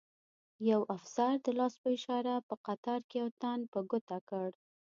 یو افسر د لاس په اشاره په قطار کې یو تن په ګوته کړ.